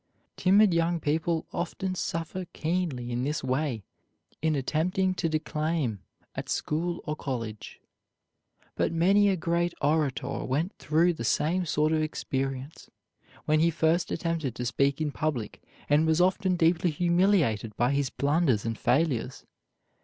Timid young people often suffer keenly in this way in attempting to declaim at school or college. But many a great orator went through the same sort of experience, when he first attempted to speak in public and was often deeply humiliated by his blunders and failures.